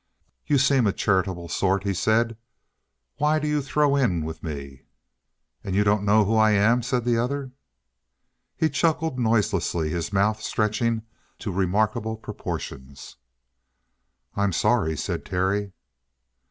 "You seem a charitable sort," he said. "Why do you throw in with me?" "And you don't know who I am?" said the other. He chuckled noiselessly, his mouth stretching to remarkable proportions. "I'm sorry," said Terry.